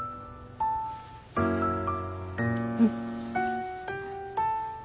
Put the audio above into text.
うん。